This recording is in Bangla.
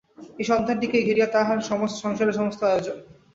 এই সন্ধানটিকেই ঘেরিয়া তার সংসারের সমস্ত আয়োজন।